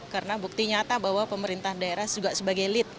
karena bukti nyata bahwa pemerintah daerah juga sebagai lead